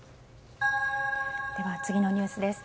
では次のニュースです。